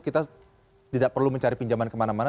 kita tidak perlu mencari pinjaman kemana mana